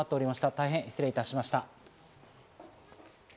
大変、失礼いたしました。